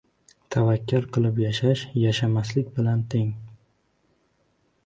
• Tavakkal qilib yashash yashamaslik bilan teng.